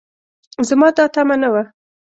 زما دا تمعه نه وه